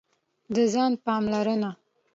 د ځان پاملرنه: